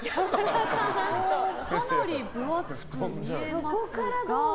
かなり分厚く見えますが。